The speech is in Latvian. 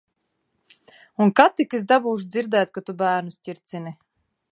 Un kad tik es dabūšu dzirdēt, ka tu bērnus ķircini.